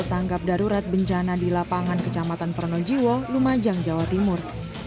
tanggap darurat bencana di lapangan kecamatan pronojiwo lumajang jawa timur